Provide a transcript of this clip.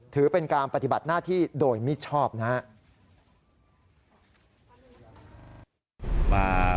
ถือเป็นการปฏิบัติหน้าที่โดยมิชอบนะครับ